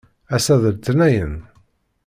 Assa d letnayen.